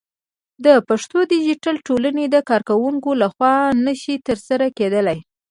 د پښتو ديجيتل ټولنې د کارکوونکو لخوا نشي ترسره کېدلى